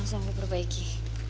mas jangan berperbaiki